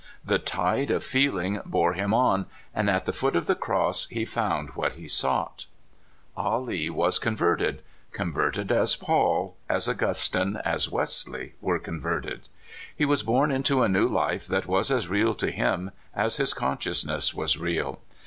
The tide of feeling bore him on, and at the foot of the cross he found what he sought. Ah Lee was converted converted as Paul, as Augustine, as Wesley, were converted. He was born into a new life that was as real to him as his consciousness was real.